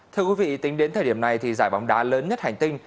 thưa quý vị tính đến thời điểm này thì giải bóng đá lớn nhất hành tinh